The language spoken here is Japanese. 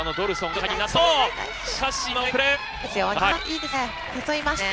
いいですね。